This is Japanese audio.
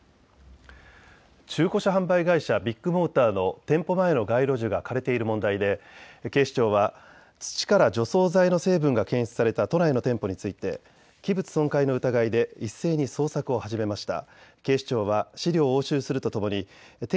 中古車販売会社、ビッグモーターの店舗前の街路樹が枯れている問題で警視庁は土から除草剤の成分が検出された都内の店舗について器物損壊の疑いで一斉に捜索を始めました。